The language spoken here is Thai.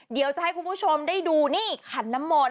เดี๋ยวจะให้คุณผู้ชมได้ดูนี่ขันน้ำมนต